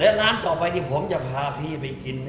และร้านต่อไปที่ผมจะพาพี่ไปกิน